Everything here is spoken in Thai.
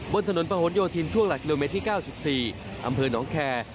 บนถนนประหลโยธินช่วงหลักกิโลเมตรที่๙๔อำเภอหนองแคร์